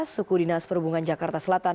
suku dinas perhubungan jakarta selatan